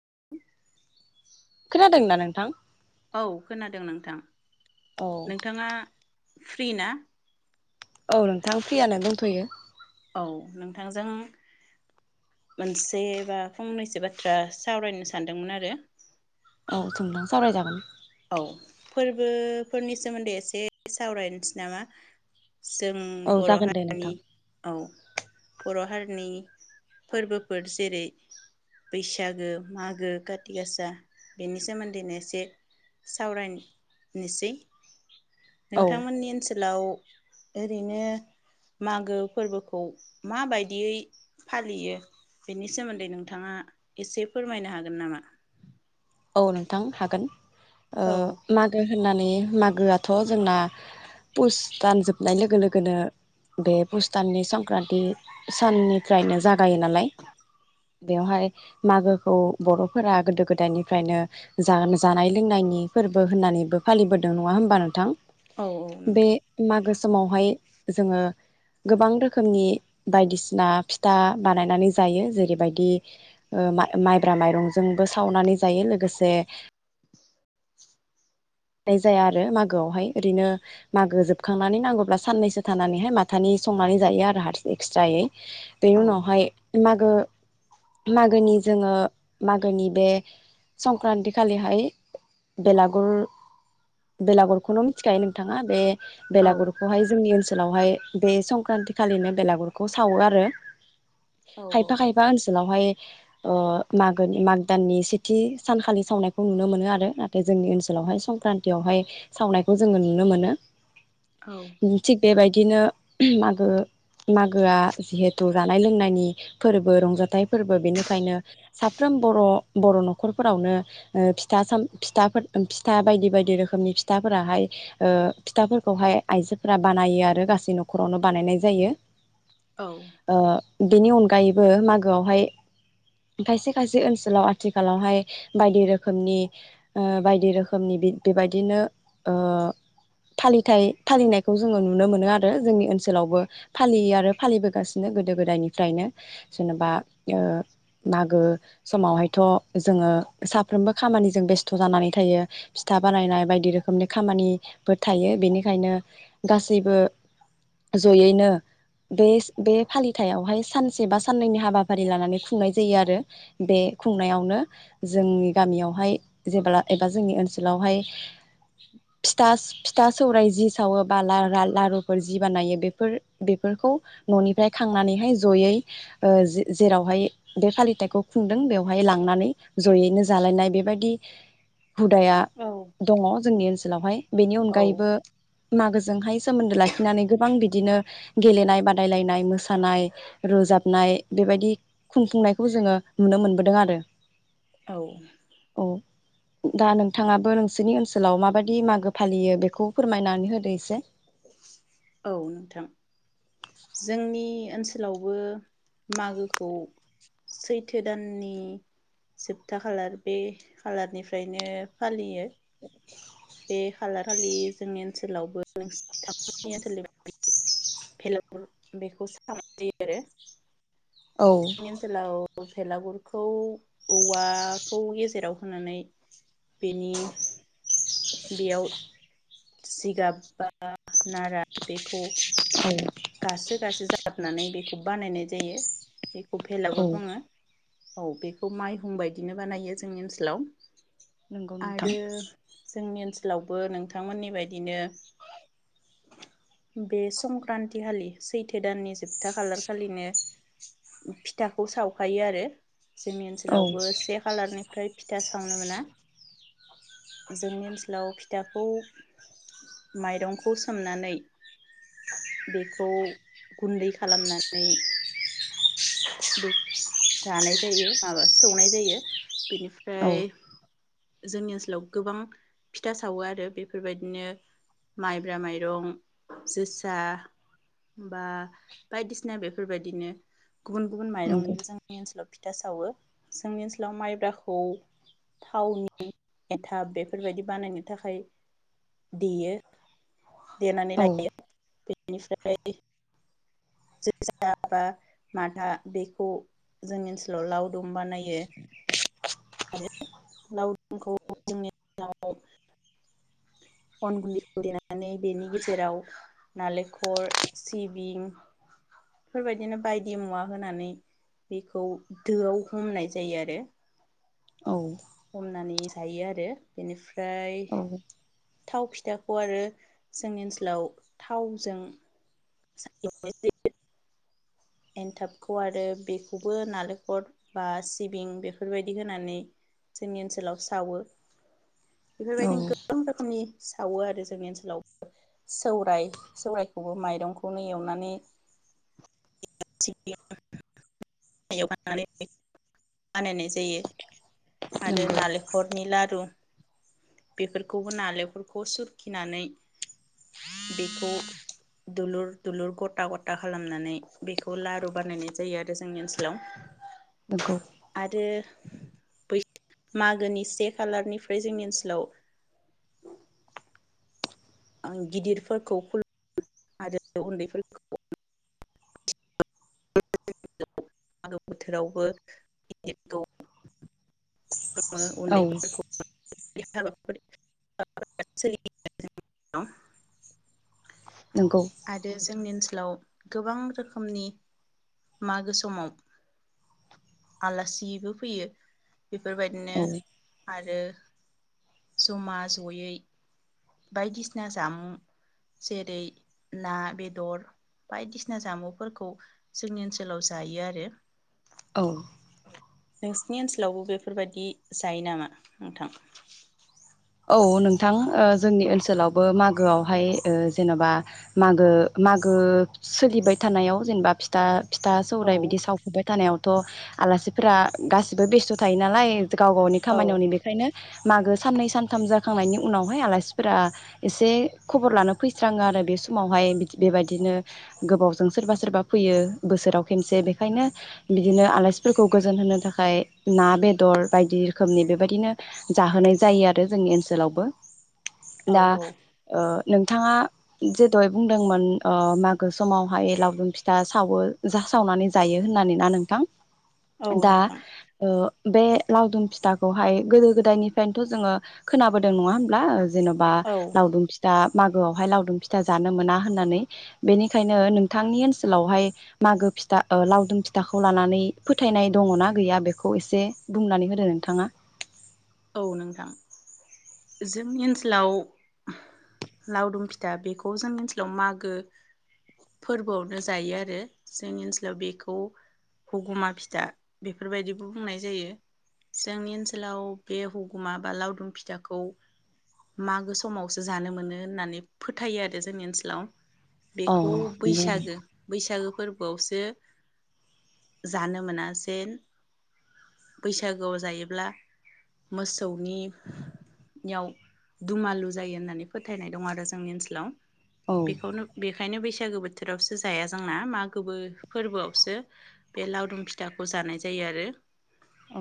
[inaudible] खोनादोंना नोंथां? औ खोनादों नोंथां। औ नोंथाङा फ्रिना? औ नोंथां फ्रियानो दंथ'यो। औ नोंथांजों मोनसे बा फंनैसो बाथ्रा सावरायनो सानदोंमोन आरो औ [inaudible] सावरायजागोन औ फोरबोफोरनि सोमोनदै एसे सावरायनोसै नामा जों औ बर' [unintelligible] जागोन दे हारिनि नोंथां औ बर' हारिनि फोरबोफोर जेरै बैसागो मागो काति गासा बेनि सोमोनदैनो एसे सावरायनिसै औ नोंथांमोननि ओनसोलाव ओरैनो मागो फोरबोखौ माबायदियै फालियो बेनि सोमोनदै नोंथाङा एसे फोरमायनो हागोन नामा औ नोंथां हागोन ओ औ मागो होननानै मागोआथ' जोंना पुसदान जोबनाय लोगो लोगोनो बे पुसताननि संक्रानति साननिफ्रायनो जागायो नालाय बेवहाय मागोखौ बर'फोरा गोदो गोदायनि फ्रायनो जा जानाय लोंनायनि फोरबो होननानैबो फालिबोदों नङा होमबा नोंथां औ बे नोंथां मागो सवहाय जोङो गोबां रोखोमनि बायदिसिना फिथा बानायनानै जायो जेरैबायदि ओ माइब्रा माइरंजोंबो सावनानै जायो लोगोसे जाया आरो मागोआवहाय ओरैनो मागो जोबखांनानै नांगौब्ला साननैसो थानानैहाय माथानि संनानै जायो आरो हारसिं एक्सट्रायै। बेनि औ उनावहाय मागो मागोनि जोङो मागोनि बे संक्रान्ति खालिहाय बेलागुर बेलागुरखौनो मिथिखायो नोंथाङा बे औ बेलागुरखौहाय जोंनि ओनसोल सोलावहाय बे संक्रान्ति खालिनो बेलागुरखौ सावो आरो। औ खायफा खायफा ओनसोलाव फाय ओ मागोनि माग दाननि से थि सानखालि सावनायखौ नुनो मोनो आरो नाथाय जोंनि ओनसोलावहाय संक्रान्तियावहाय सावनायखौ जोङो नुनो मोनो। औ उम थिग बेबाय बिदिनो मागो मागोआ जिहेथु जानाय लोंनायनि फोरबो रंजाथाइ फोरबो बेनिखायनो साफ्रोम बर-बर न खरफोरावनो ओ फिथा साम फिथाफोर उम फिथा बायदि बायदि रोखोमनि फिथाफोराहाय ओ फिथाफोरखौहाय आइजोफोरा बानायो आरो गासै नखरावनो बानायनाय जायो। ओ बेनि अनगायैबो मागोआवहाय खायसे खायसे ओनसोलाव आथि खालावहाय बायदि रोखोमनि ओ बायदि रोखोमनि बेबायदिनो ओ फालिथाय फालिनायखौ जोङो नुनो मोनो आरो जोंनि ओनसोलावबो फालियो आरो फालिबोगासिनो गोदो गोदायनिफ्रायनो जेनेबा ओ मागो समावहायथ जोङो साफ्रोमबो खामानिजों बेस्थ जानानै थायो फिथा बानायनाय बायदि रोखोमनि खामानिफोर थायो बेनिखायनो गासैबो जयैनो बे बे फालिथायावहाय सानसे बा साननैनि हाबाफारि लानानै खुंनाय जायो आरो बे खुंनायावनो। जोंनि गामियावहाय जेब्ला एबा जोंनि ओनसोलावहाय फिथास फिथा सौरायाइ जि सावो बाला रा लारु फोर जि बानायो बेफोर-बेफोरखौ ननिफ्राय खांनानैहाय जयै ओ जेरावहाय बे फालिथायखौ खुंदों बेवहाय लांनानै जयैनो जालायनाय बेबायदि हुदाया औ दङ जोंनि ओनसो लावहाय। बेनि अनगायैबो मागोजोंहाय सोमोन्दो लाखिनानै गोबां बि बिदिनो गेलेनाय बादायलायनाय मोसानाय रोजाबनाय बेबायदि खुंफुंनायखौ जोङो नुनो मोनबोदों आरो। औ। औ दा नोंथाङाबो नोंसोरनि ओनसोलाव माबायदि मागो फालियो बेखौ फोरमायनानै होदो एसे। औ नोंथां जोंनि ओनसोलावबो मागोखौ सैथो दाननि जोबथा खालार बे खालारनिफ्रायनो फालियो। [inaudible] बे खालार खालि जोंनि ओनसोलावबो नोंथां मोननि ओनसोलनि बायदि फेलुर बेखौ सावनाय जायो आरो। औ जोंनि ओनसोलाव भेलागुरखौ औवाखौ गेजेराव होनानै बेनि बेयाव सिगाब बा नारा बेखौ औ। साबनानै बेखौ बानायनाय जायो। बेखौ औ भेलागुर बुङो। औ बेखौ माइहुं बायदिनो बानायो जोंनि ओनसोलाव। नंगौ आरो नोंथां। जोंनि ओनसोलावबो नोंथांमोननि बायदिनो बे सं सक्रान्त खालि सैथो दाननि जोबथा खालार खालिनो फिथाखौ सावखायो आरो। जोंनि औ ओनसोलावबो से खालारनि ओमफ्राय फिथा सावनो मोना जोंनि ओनसोलाव फिथाखौ माइरंखौ सोमनानै बेखौ गुन्दै खालामनानै बे जानाय जायो माबा सौनाय जायो। औ बिनिफ्राय। जोंनि ओनसोलाव गोबां फिथा सावो आरो बेफोर बायदिनो माइब्रा माइरं जोसा बा बायदिसिना बेफोरबायदिनो। गुबुन-गुबुन नंगौ माइरंनिबो जोंनि ओनसोलाव। फिथा सावो जोंनि ओनसोलाव माइब्राखौ थावनि एन्थाब बेफोरबायदि बानायनो थाखाय देयो। देनानै औ लायो। इनिफ्राय जोसा बा माथा बेखौ जोंनि ओनसोलाव लावदुम बानायो आरो लावदुमखौ जोंनि ओनसोलाव अन गुन्दैखौ देनानै बेनि गेजेराव नालेंखर सिबिं बेफोरबायदिनो बायदि मुवा होनानै बेखौ दोआव हमनाय जायो आरो। औ। हमनानै जायो आरो बेनिफ्रा फ्राय। औ थाव फिथाखौ आरो जोंनि ओनसोलाव थावजों [unintelligible] एन्थाबखौ आरो बेखौबो नालेंखल बा सिबिं बेफोरबायदि होनानै जोंनि ओनसोलाव सावो। औ बेफोरबायदिनो गोबां रोखोमनि सावो आरो जोंनि ओनसोलाव सौराइ सौरायखौबो माइरंखौनो एवनानै [unintelligible] बानायनाय जायो। आरो नंगौ नालेखरनि लारु। बेफोरखौबो नालेंखफोरखौ सुरखिनानै बेखौ दुलुर दुलुर गथा गथा खालामनानै बेखौ लारु बानायनाय जायो आरो जोंनि ओनसोलाव। नंगौ आरो [unintelligible] मागोनि से खालारनिफ्राय जोंनि ओनसोल लाव आं गिदिरफोरखौ खुलु आरो उन्दैफोरखौ [unintelligible] औ उन्दैफोरखौ [unintelligible] नंगौ आरो जोंनि ओनसो लाव गोबां रोखोमनि मागो समाव आलासिबो फैयो। बेफोरबायदिनो औ आरो जमा जयै बायदिसिना जामुं जेरै ना बेदर बायदिसिना जामुफोरखौ जोंनि ओनसोलाव जायो आरो औ नोंसिनि ओनसोलावबो बेफोरबादि जायो नामा नोंथां? औ नोंथां ओ जोंनि ओनसोलावबो मागोआवहाय ओ जेनबा मागो मागो सोलिबाय थानायाव जेनेबा फिथा फिथा औ सौरायाइ बिदि सावफुबाय थानायाव थ' आलासिफोरा गासिबो बेस्थ' थायो नालाय गाव गावनि औ खामानियावनो बेखायनो मागो साननै सान थाम जाखांनायनि उनावहाय आलासिफोरा एसे खबर लानो फैस्राङो आरो बे समावहाय बेबायदिनो गोबावजों सोरबा सोरबा फैयो बोसोराव खेनसे बेखायनो बिदिनो आलासिफोरखौ गोजोन होनो थाखाय ना बेदर बायदि रोखोमनि बेबायदिनो जाहोनाय जायो आरो [unintelligible] जोंनि ओनसोलावबो औ दा औ ओ नोंथाङा जे दहाय बुंदोंमोन ओ मागो समावहाय लावदुम फिथा सावो जा सावनानै जायो होननानै ना नोंथां? औ दा नोंथां ओ बे लावदुम फिथाखौहाय गोदो गोदायनिफ्रायनोथ' जोङो। खोनाबोदों नङा होमब्ला? जेन'बा औ लावदुम फिथा मागोआवहाय लावदुम फिथा जानो मोना होननानै बेनिखायनो नोंथांनि ओनसोलावहाय मागो फिथा ओ लावदुम फिथाखौ लानानै फोथायनाय दङना गैया बेखौ एसे बुंनानै होदो नोंथाङा औ नोंथां जोंनि ओनसोलाव लावदुम फिथा बेखौ जोंनि ओनसोलाव मागो फोरबोआवनो जायो आरो जोंनि ओनसोलाव बेखौ हगुमा फिथा बेफोरबायदिबो बुंनाय जायो जोंनि ओनसोलाव बे हुगुमा बा लावदुम फिथाखौ मागो समावसो जानो मोनो होननानै फोथायो आरो जोंनि ओनसोलाव औ बेखौ बैसागो बैसागो। फोरबोआवसो जानो मोना जे बैसागोआव जायोब्ला मोसौनियाव दुमालु जायो होननानै फोथायनाय दं आरो जोंनि ओनसोलाव। औ बेखौनो बे ओंखायनो बैसागो बोथोरावसो जाया जोंना मागोबो फोरबोआवसो, बे लावदुम फिथाखौ जानाय जायो आरो। औ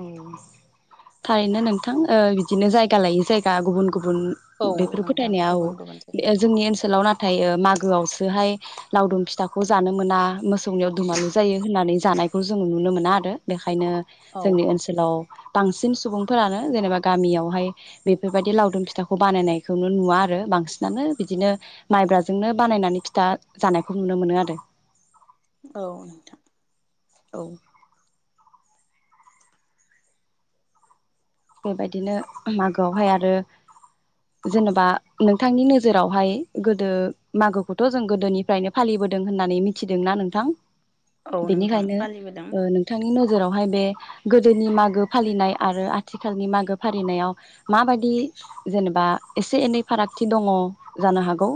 थारैनो नोंथां बिदिनो जाय जायगा लायै जायगा गुबुन गुबुन गुबुन औ बेफोर नोंथां फोथायनाया गुबुन गुबुन औ जोंनि ओनसोलाव नाथाय मागौ मागोआवसोहाय लावदुम फिथाखौ जानो मोना मोसौनियाव दुमालु जायो होननानै जानायखौ जों नुनो मोना आरो। बेखायनो औ जोंनि ओनसोलाव बांसिन सुबुंफोरानो जेनेबा गामियावहाय, बेफोरबायदि लावदुम फिथाखौ बानायनायखौनो नुवा आरो बांसिनानो बिदिनो माइब्राजोंनो बानायनानै फिथा जानायखौ नुनो मोनो आरो। औ नोंथां। औ बेबायदिनो मागोआवहाय आरो, जेनेबा नोंथांनि नोजोरावहाय गोदो मागोखौथ' जों गोदोनिफ्रायनो फालिबोदों होननानै मिथिदोंना नोंथां? औ नोंथां बेनिखायनो फालिबोदों नोंथांनि न जेरावहाय बे गोदोनि मागो फालिनाय आरो आथिखालनि मागो फालिनायाव माबायदि जेनेबा एसे एनै फारागथि दङ, जानो हागौ,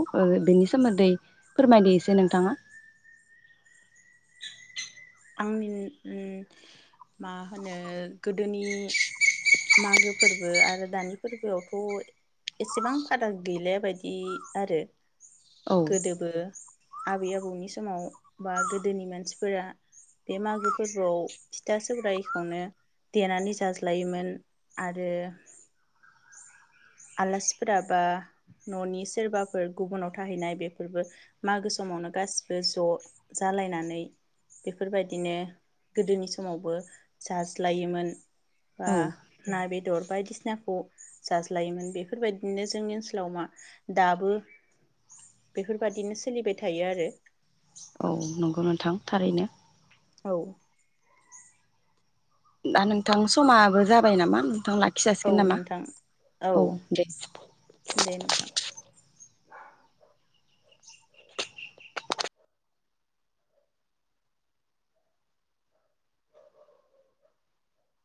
बेनि सोमोन्दै फोरमायदो एसे नोंथाङा। आंनि मा होनो गोदोनि मागो फोरबो आरो दानि फोरबोआवथ एसेबां फाराग गैलाया बायदि आरो। औ गोदोबो आबै आबौनि समाव, बा गोदोनि मानसिफोरा बे मागो फोरबोआव फिथा सौरायखौनो, देनानै जाज्लायोमोन। आरो आलासिफोरा बा, ननि सोरबाफोर गुबुनाव थाहैनाय बेफोरबो मागो समावनो गासिबो ज जालायनानै, बेफोरबायदिनो गोदोनि समावबो जाज्लायोमोन। बा औ ना बे [inaudible] [unintelligible] बेदर बायदिसिनाखौ लायोमोन बेफोरबायदिनो जोंनि ओनसोलाव मा दाबो बेफोरबायदिनो सोलिबाय थायो आरो। औ नंगौ नोंथां थारैनो। औ दा नोंथां समाबो जाबाय नामा? नोंथां लाखि खि औ जासिगोन नामा? नोंथां औ दे। दे नों